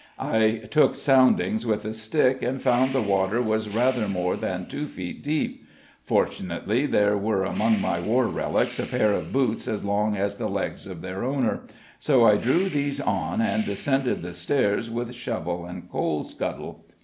I took soundings with a stick and found the water was rather more than two feet deep. Fortunately, there were among my war relics a pair of boots as long as the legs of their owner, so I drew these on and descended the stairs with shovel and coal scuttle.